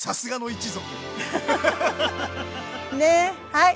はい。